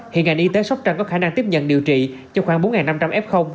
hiện ngành y tế sóc trăng có khả năng tiếp nhận điều trị cho khoảng bốn năm trăm linh f